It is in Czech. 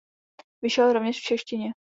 Vyšel rovněž v češtině.